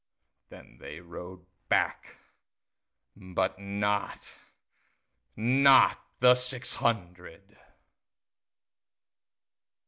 Then they rode back, but notNot the six hundred.